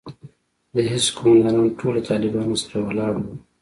د حزب قومندانان ټول له طالبانو سره ولاړ وو.